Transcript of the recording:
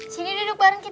sini duduk bareng kita